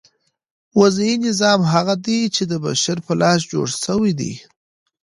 وضعي نظام هغه دئ، چي د بشر په لاس جوړ سوی دئ.